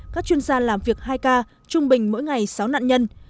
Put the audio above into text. các chuyên gia làm việc hai k trung bình mỗi ngày sáu nạn nhân